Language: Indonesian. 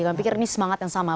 saya pikir ini semangat yang sama